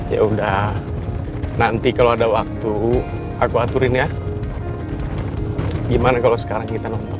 ya udah nanti kalau ada waktu aku aturin ya gimana kalau sekarang kita nonton